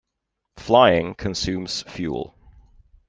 Flying consumes fuel.